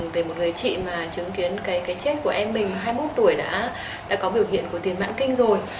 về một người chị mà chứng kiến cái chết của em mình hai mươi một tuổi đã có biểu hiện của tiền mãn kinh rồi